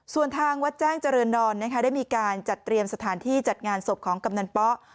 ส่วนทางวัดแจ้งเจริญดอนนะคะได้มีการจัดเตรียมสถานที่จัดงานศพของกำนันป๊อ